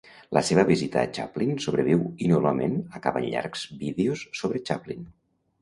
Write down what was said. La seva visita a Chaplin sobreviu i normalment acaba amb llargs vídeos sobre Chaplin.